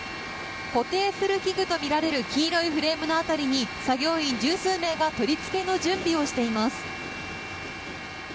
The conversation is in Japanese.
固定する器具とみられる黄色いフレームのそばに作業員十数名が取り付けの準備をしています。